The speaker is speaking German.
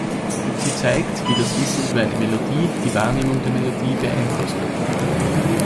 Sie zeigt, wie das Wissen über eine Melodie die Wahrnehmung der Melodie beeinflussen kann.